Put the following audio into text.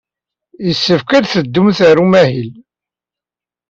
Yessefk ad teddumt ɣer umahil.